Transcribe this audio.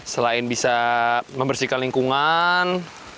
selain bisa membersihkan lingkungan